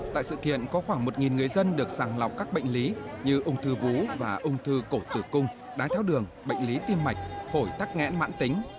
tại sự kiện có khoảng một người dân được sàng lọc các bệnh lý như ung thư vú và ung thư cổ tử cung đái tháo đường bệnh lý tim mạch phổi tắc nghẽn mãn tính